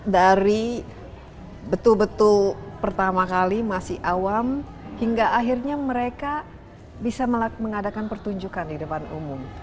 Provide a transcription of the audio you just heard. dari betul betul pertama kali masih awam hingga akhirnya mereka bisa mengadakan pertunjukan di depan umum